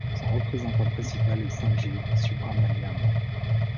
Son représentant principal est Sanjay Subrahmanyam.